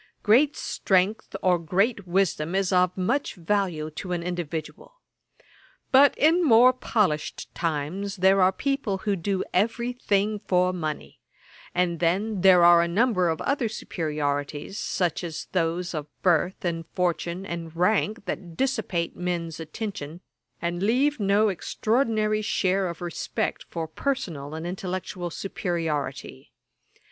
Great strength or great wisdom is of much value to an individual. But in more polished times there are people to do every thing for money; and then there are a number of other superiorities, such as those of birth and fortune, and rank, that dissipate men's attention, and leave no extraordinary share of respect for personal and intellectual superiority.